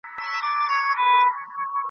له هیڅ وره ورته رانغلل جوابونه .